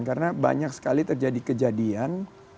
karena banyak sekali terjadi kejadian